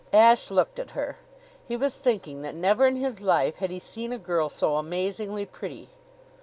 Ashe looked at her. He was thinking that never in his life had he seen a girl so amazingly pretty.